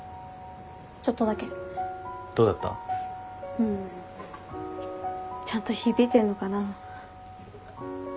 うんちゃんと響いてんのかな。